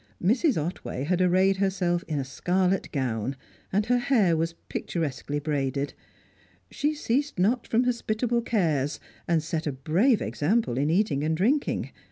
Mrs. Otway had arrayed herself in a scarlet gown, and her hair was picturesquely braided. She ceased not from hospitable cares, and set a brave example in eating and drinking.